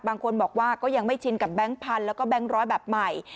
บางคนบอกว่าก็ยังไม่ชินกับแบงค์พันธุ์แล้วก็แบงค์ร้อยแบบใหม่